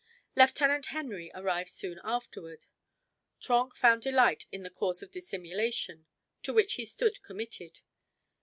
Lieutenant Henry arrived soon afterward. Trenck found delight in the course of dissimulation to which he stood committed.